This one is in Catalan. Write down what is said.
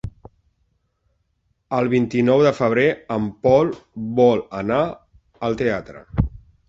El vint-i-nou de febrer en Pol vol anar al teatre.